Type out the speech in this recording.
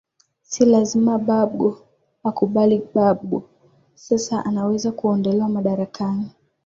si lazima bagbo akubali bagbo sasa anaweza kuondolewa madarakani